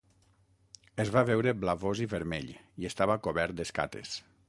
Es va veure blavós i vermell, i estava cobert d'escates.